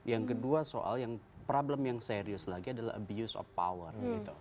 yang kedua soal yang problem yang serius lagi adalah abuse of power